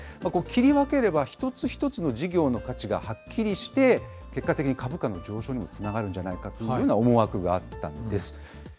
切り分ければ一つ一つの事業の価値がはっきりして、結果的に株価の上昇にもつながるんじゃないかという思惑があったんです。